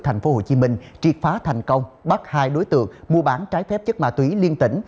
thành phố hồ chí minh triệt phá thành công bắt hai đối tượng mua bán trái phép chất ma túy liên tỉnh